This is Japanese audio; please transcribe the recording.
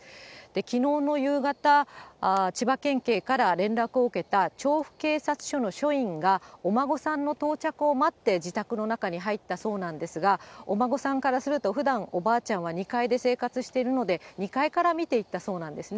きのうの夕方、千葉県警から連絡を受けた調布警察署の署員が、お孫さんの到着を待って、自宅の中に入ったそうなんですが、お孫さんからすると、ふだんおばあちゃんは２階で生活してるので、２階から見ていったそうなんですね。